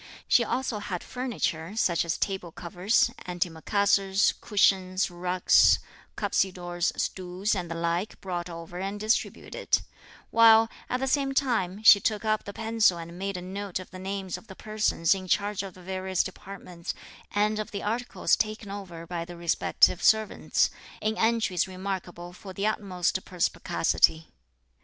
She also had furniture, such as table covers, antimacassars, cushions, rugs, cuspidors, stools and the like brought over and distributed; while, at the same time, she took up the pencil and made a note of the names of the persons in charge of the various departments, and of the articles taken over by the respective servants, in entries remarkable for the utmost perspicacity.